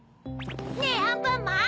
ねぇアンパンマン。